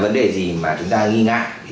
vấn đề gì mà chúng ta nghi ngại